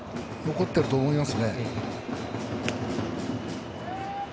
残ってると思います。